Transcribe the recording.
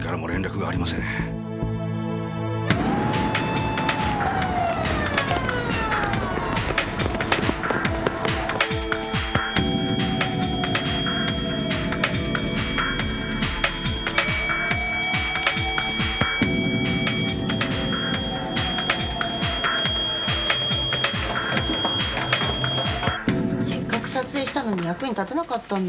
せっかく撮影したのに役に立たなかったんだ？